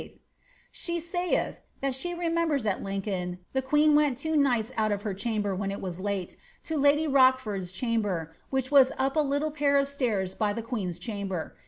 '— She saith, that she remembers at Lincoln the queen went two nights ont d her chamber wlien it was late, to lady Rochford's chamber, which vis up a little pair of stairs by the queen's chamber.